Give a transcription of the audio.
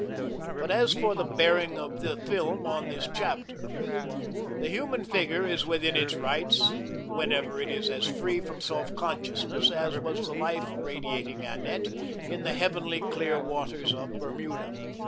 But as for the bearing of the film on this chapter: the human figure is within its rights whenever it is as free from self consciousness as was the life radiating Annette in the heavenly clear waters of Bermuda.